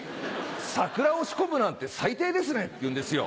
サクラを仕込むなんて最低ですね」って言うんですよ。